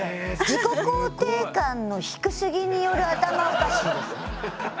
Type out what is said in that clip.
自己肯定感の低すぎによる頭おかしいですね。